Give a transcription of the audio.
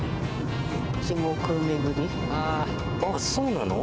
あっそうなの？